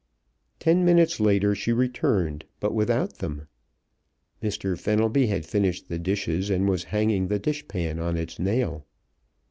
Ten minutes later she returned but without them. Mr. Fenelby had finished the dishes, and was hanging the dish pan on its nail.